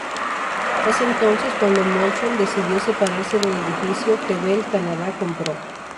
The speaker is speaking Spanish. Es entonces cuando Molson decidió separarse del edificio, que Bell Canada compró.